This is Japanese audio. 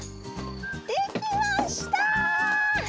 できました！